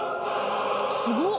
すごっ！